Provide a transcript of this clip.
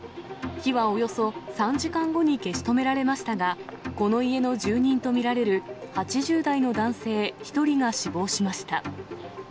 火はおよそ３時間後に消し止められましたが、この家の住人と見られる８０代の男性１人が死亡しました。